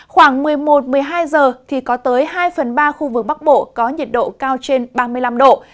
khoảng một mươi một một mươi hai giờ thì có tới hai phần ba khu vực bắc bộ có nhiệt độ cao trên ba mươi năm độ